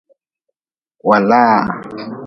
Waalaa.